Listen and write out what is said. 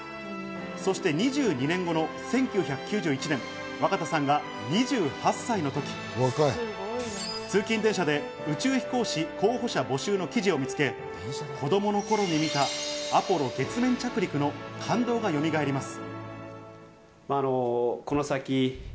そして２２年後の１９９１年、若田さんが２８歳のとき、通勤電車で宇宙飛行士候補者募集の記事を見つけ、子供の頃に見たアポロ月面着陸の感動がよみがえります。